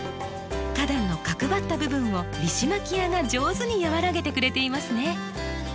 花壇の角ばった部分をリシマキアが上手に和らげてくれていますね。